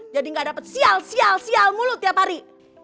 jadi gak dapet siyal siyalmulu tiap hari